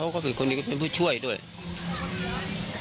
มันก็ไม่เคยได้ข่าวในจริง